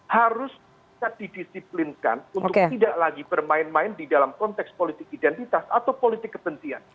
harus bisa didisiplinkan untuk tidak lagi bermain main di dalam konteks politik identitas atau politik kebencian